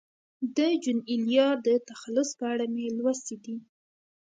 د جون ایلیا د تخلص په اړه مې لوستي دي.